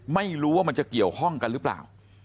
ไม่รู้ว่ามันจะเกี่ยวข้องกันหรือเปล่า